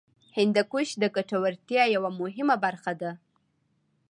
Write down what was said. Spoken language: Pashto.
هندوکش د ګټورتیا یوه مهمه برخه ده.